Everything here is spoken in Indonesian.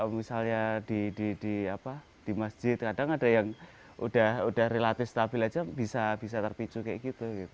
misalnya di masjid kadang ada yang udah relatif stabil aja bisa terpicu kayak gitu